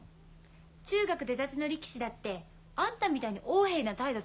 中学出たての力士だってあんたみたいに横柄な態度取る人